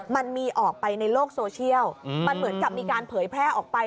มันมีออกไปในโลกโซเชียลมันเหมือนกับมีการเผยแพร่ออกไป